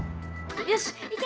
よしいけ！